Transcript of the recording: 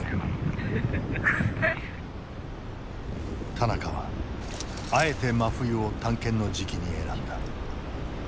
田中はあえて真冬を探検の時期に選んだ。